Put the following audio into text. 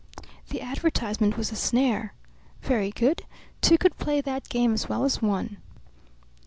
The advertisement was a snare. Very good. Two could play that game as well as one.